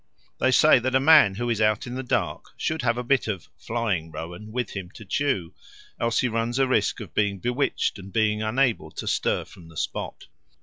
They say that a man who is out in the dark should have a bit of "flying rowan" with him to chew; else he runs a risk of being bewitched and of being unable to stir from the spot.